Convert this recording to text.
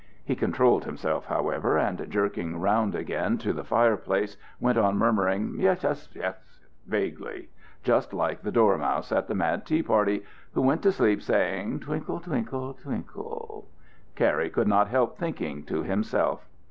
He controlled himself, however, and, jerking round again to the fireplace, went on murmuring, "Yes, yes, yes," vaguely just like the dormouse at the Mad Tea Party, who went to sleep, saying, "Twinkle, twinkle, twinkle," Cary could not help thinking to himself.